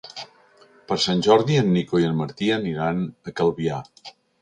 Per Sant Jordi en Nico i en Martí aniran a Calvià.